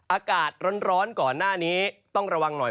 อากาศร้อนก่อนหน้านี้ต้องระวังหน่อย